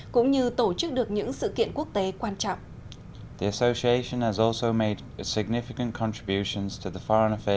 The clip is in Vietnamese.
cũng như tổ chức được những sự kiện quốc tế quan trọng